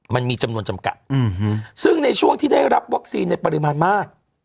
มันมีจำนวนจำกัดซึ่งในช่วงที่ได้รับวัคซีนในปริมาณมาก